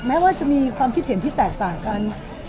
แม้ว่าจะมีความคิดเห็นที่แตกต่างกัน